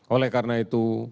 oleh karena itu